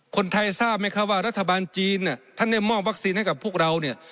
คนไทยทราบไหมครับว่ารัฐบาลจีนท่านได้มอบวัคซีนให้กับพวกเราเนี่ย